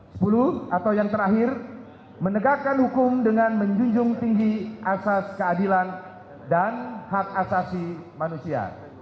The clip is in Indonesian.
sepuluh atau yang terakhir menegakkan hukum dengan menjunjung tinggi asas keadilan dan hak asasi manusia